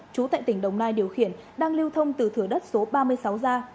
chú tại tỉnh đồng nai điều khiển đang lưu thông từ thửa đất số ba mươi sáu ra